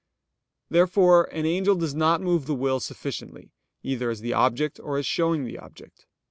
Therefore an angel does not move the will sufficiently, either as the object or as showing the object.